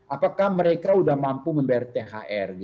apakah mereka sudah mampu membayar thr